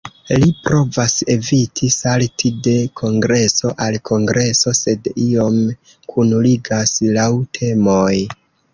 Li provas eviti salti de kongreso al kongreso, sed iom kunligas laŭ temoj.